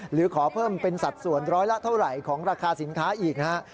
หรือขอเพิ่มเป็นสัดส่วนร้อยละเท่าไหร่ของราคาสินค้าอีกนะฮะ